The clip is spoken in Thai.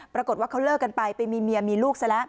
ปรากฏว่าเขาเลิกกันไปไปมีเมียมีลูกซะแล้ว